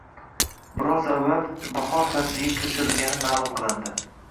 Biroz avval ri bahor fasliga koʻchirilgani maʼlum qilindi